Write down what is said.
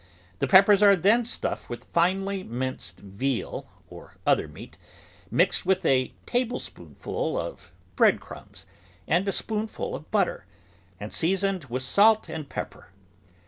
The pep pers are then stuffed with finely minced veal or other meat, mixed with a tablespoonful of bread crumbs and a spoonful of butter, and seasoned with salt and pepper.